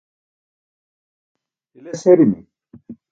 hiles herimi